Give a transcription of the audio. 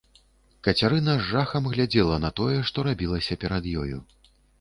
Кацярына з жахам глядзела на тое, што рабілася перад ёю.